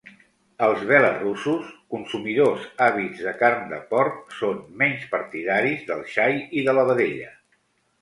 Els belarussos, consumidors àvids de carn de porc, són menys partidaris del xai i de la vedella.